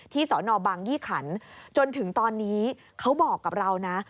สอนอบางยี่ขันจนถึงตอนนี้เขาบอกกับเรานะ